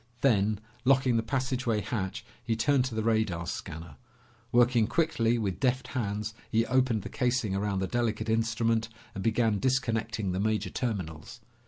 Then, locking the passageway hatch, he turned to the radar scanner. Working quickly with deft hands, he opened the casing around the delicate instrument and began disconnecting the major terminals.